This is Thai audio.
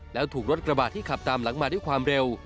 แล้วถูกรถกระบาดที่ขับตามหลังมาด้วยความเร็ว